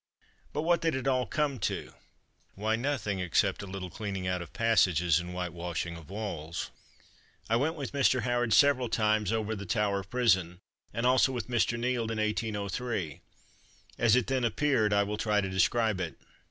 But what did it all come to? Why, nothing, except a little cleaning out of passages and whitewashing of walls. I went with Mr. Howard several times, over the Tower Prison, and also with Mr. Nield, in 1803. As it then appeared I will try to describe it.